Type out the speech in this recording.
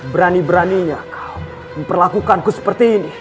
berani beraninya kau memperlakukanku seperti ini